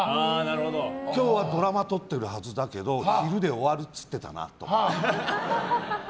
今日はドラマを撮っているはずだけど昼で終わるって言ってたなとか。